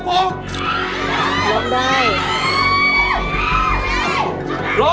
หลงได้ครับ